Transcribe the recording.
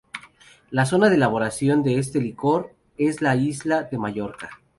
La zona de elaboración de este licor es la isla de Mallorca.